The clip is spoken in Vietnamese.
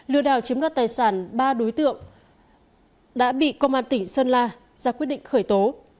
lừa đảo chiếm đoạt tài sản ba đối tượng đã bị công an tỉnh sơn la ra quyết định khởi tố